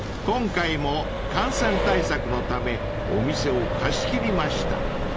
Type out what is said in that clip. ［今回も感染対策のためお店を貸し切りました］